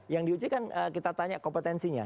yang diuji kan kita tanya kompetensinya